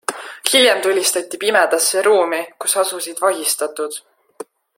Hiljem tulistati pimedasse ruumi, kus asusid vahistatud.